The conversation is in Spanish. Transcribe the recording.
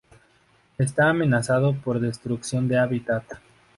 Está amenazado por destrucción de hábitat.